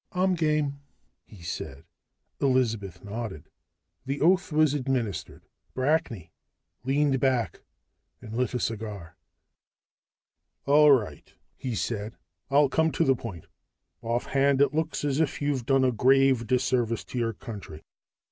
"I'm game," he said. Elizabeth nodded. The oath was administered. Brackney leaned back and lit a cigar. "All right," he said. "I'll come to the point. "Offhand, it looks as if you've done a grave disservice to your country.